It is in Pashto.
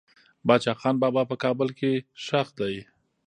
باچا خان بابا په کابل کې خښ دي.